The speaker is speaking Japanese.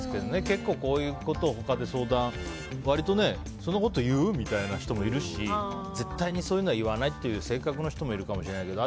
結構、こういうことを他で相談割とそんなこと言う？みたいな人もいるし絶対にそういうのは言わないという性格の人もいるかもしれないけど